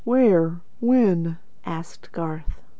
"Where when?" asked Garth.